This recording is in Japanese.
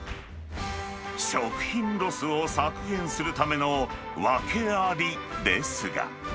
食品ロスを削減するための訳ありですが。